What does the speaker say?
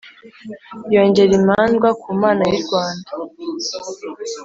Yongera imandwa ku Mana y’ Rwanda.